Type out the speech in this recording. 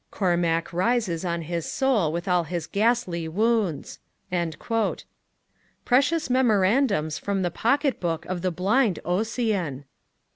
Cormac rises on his soul with all his ghastly wounds.' Precious memorandums from the pocket book of the blind Ossian!